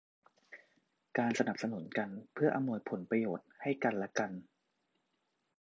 การสนับสนุนกันเพื่ออำนวยผลประโยชน์ให้กันและกัน